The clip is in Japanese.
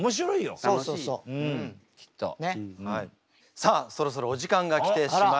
さあそろそろお時間が来てしまいました。